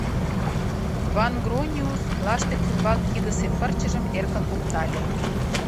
Ван-Грониус лаштык ӱмбак кидысе пырчыжым эркын оптале.